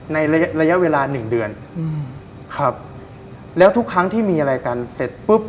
ในระยะเวลา๑เดือนแล้วทุกครั้งที่มีอะไรกันเสร็จปุ๊บ